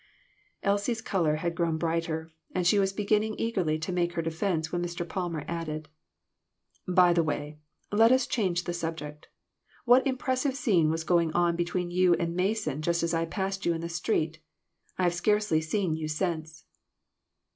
Elsie's color had grown brighter, and she was beginning eagerly to make her defense when Mr. Palmer added "By the way, let us change the subject. What impressive scene was going on between you and Mason just as I passed you in the street? I have scarcely seen you since."